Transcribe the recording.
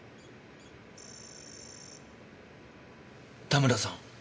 田村さん。